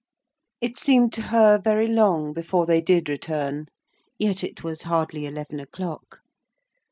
It seemed to her very long before they did return; yet it was hardly eleven o'clock.